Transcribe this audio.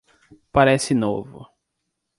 Pareci Novo